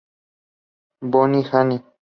Boni, Hani".